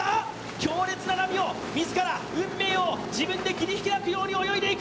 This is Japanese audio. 強烈な波を自ら運命を自分で切り開くように泳いでいく。